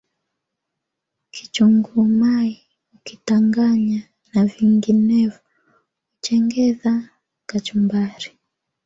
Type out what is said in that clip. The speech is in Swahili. Kichungu mai ukitanganya na vinginevo huchengedha kachumbari.